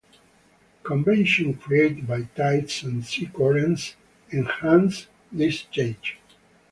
Convection created by tides and sea currents enhance this change.